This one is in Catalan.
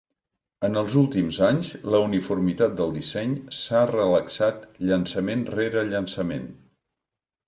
En els últims anys, la uniformitat del disseny s'ha relaxat llançament rere llançament.